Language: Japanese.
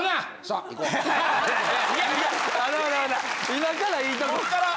今からいいとこっす。